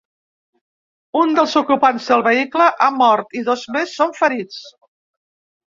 Un dels ocupants del vehicle ha mort i dos més són ferits.